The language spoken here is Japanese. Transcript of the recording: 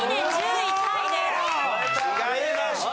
違いました。